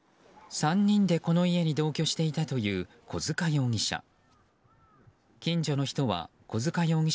３人でこの家に同居していたという小塚容疑者。